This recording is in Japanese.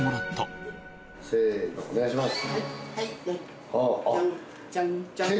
お願いします。